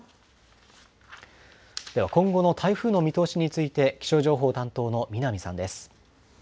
では、今後の台風の見通しについて気象情報担当の南さんです。